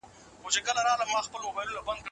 ستاسو په زړه کي به د نورو لپاره کینه نه پاته کیږي.